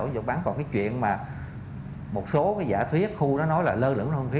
còn cái chuyện mà một số giả thuyết khu nó nói là lơ lửng không khí